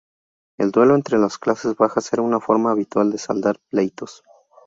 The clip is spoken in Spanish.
El duelo entre las clases bajas era una forma habitual de saldar pleitos.